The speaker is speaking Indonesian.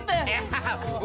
toh si hujan temenhour